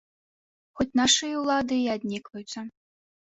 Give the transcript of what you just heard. Хоць нашы ўлады і аднекваюцца.